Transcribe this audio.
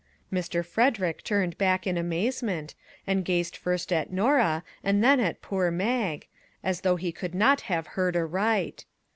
Mr. Frederick turned back in amazement, and gazed first at Norah and then at poor Mag, as though he could not have heard aright.